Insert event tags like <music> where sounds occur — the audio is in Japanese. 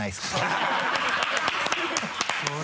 ハハハ <laughs>